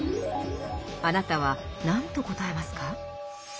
あなたは何と答えますか？